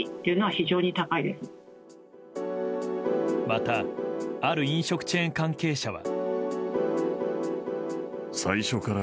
またある飲食チェーン関係者は。